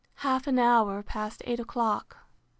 Half an hour past eight o'clock.